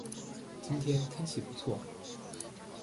今天天气不错